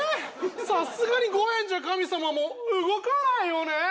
さすがに５円じゃ神様も動かないよね